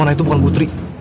mona itu bukan putri